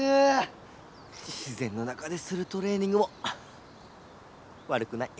自ぜんの中でするトレーニングもわるくない！